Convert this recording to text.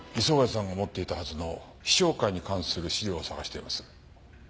磯貝さんが持っていたはずの陽尚会に関する資料を探しています。